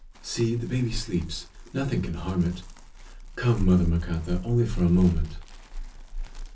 See, the baby sleeps. Nothing can harm it. Come, mother Macata, only for a moment!"